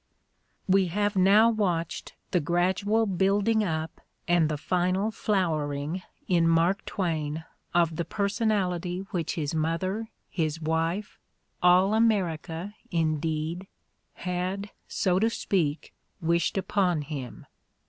WE have now watched the gradual building up and the final flowering in Mark Twain of the person ality which his mother, his wife, all America indeed, had, so to speak, wished upon him.